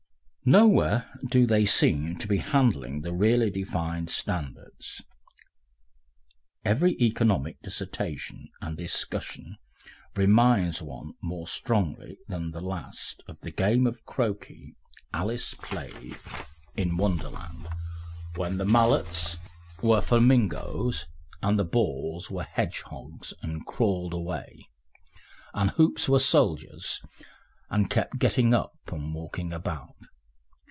Nowhere do they seem to be handling really defined standards, every economic dissertation and discussion reminds one more strongly than the last of the game of croquet Alice played in Wonderland, when the mallets were flamingoes and the balls were hedgehogs and crawled away, and the hoops were soldiers and kept getting up and walking about.